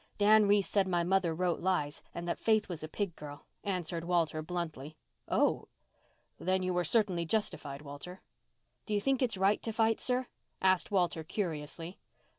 "Dan Reese said my mother wrote lies and that that Faith was a pig girl," answered Walter bluntly. "Oh—h! Then you were certainly justified, Walter." "Do you think it's right to fight, sir?" asked Walter curiously.